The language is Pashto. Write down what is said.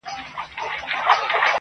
په خامه خوله پخه وعده ستایمه.